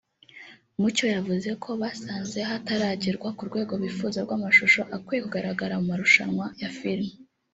Mucyo yavuze ko basanze hataragerwa ku rwego bifuza rw’amashusho akwiye kugaragara mu marushanwa ya filimi